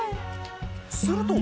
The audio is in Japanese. すると。